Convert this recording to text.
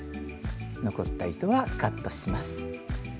残った糸はカットします。